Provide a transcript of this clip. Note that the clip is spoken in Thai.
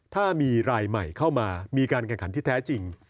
ถ้ามีรายใหม่เข้ามามีการแข่งขันที่แท้จริง